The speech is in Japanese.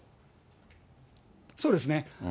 そうですね。